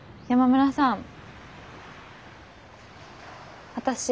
山村さん！